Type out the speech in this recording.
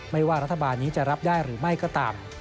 ว่ารัฐบาลนี้จะรับได้หรือไม่ก็ตาม